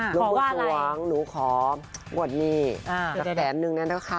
ขอว่าอะไรหนูขอ๑แสนนึงนั่นแหละค่ะ